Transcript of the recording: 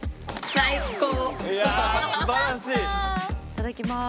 いただきます。